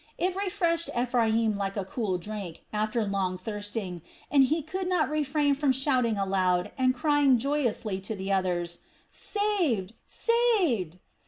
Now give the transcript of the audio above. It refreshed Ephraim like a cool drink after long thirsting, and he could not refrain from shouting aloud and crying joyously to the others: "Saved, saved!"